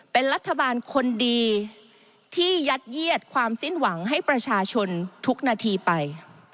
เป็นรัฐบาลคนดีที่ยัดเยียดความสิ้นหวังให้ประชาชนทุกนาทีไป